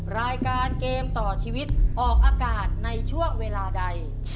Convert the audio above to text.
รายการเกมต่อชีวิตออกอากาศในช่วงเวลาใด